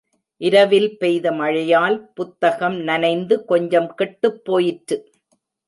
இரவில் பெய்த மழையால் புத்தகம் நனைந்து கொஞ்சம் கெட்டுப் போயிற்று.